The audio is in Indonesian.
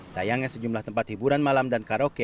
sayangnya sejumlah tempat hiburan malam dan karaoke